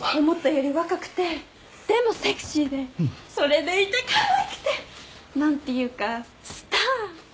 思ったより若くてでもセクシーでそれでいてかわいくて何て言うかスタア！